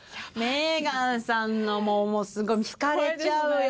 メーガンさんのもうすごい引かれちゃうよ